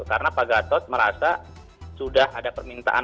karena pak gatot merasa sudah ada permintaan